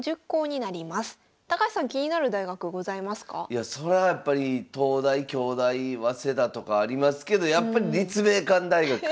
やっぱり東大京大早稲田とかありますけどやっぱり立命館大学。